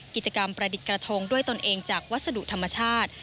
กิจกรรมประดิษฐ์กระทงด้วยตนเองจากวัสดุธรรมชาติ